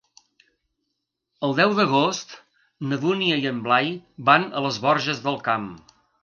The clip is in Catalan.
El deu d'agost na Dúnia i en Blai van a les Borges del Camp.